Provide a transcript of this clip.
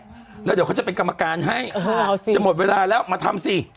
แล้วเดี๋ยวเขาจะเป็นกรรมการให้อ้าวสิจะหมดเวลาแล้วมาทำสิ